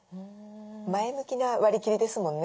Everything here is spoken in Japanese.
前向きな割り切りですもんね